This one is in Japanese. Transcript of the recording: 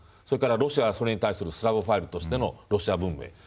それからロシアはそれに対するスラヴォファイルとしてのロシア文明。